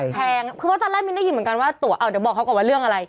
แพงคือเพราะตอนแรกมินได้ยินเหมือนกันว่าตัวเอาเดี๋ยวบอกเขาก่อนว่าเรื่องอะไร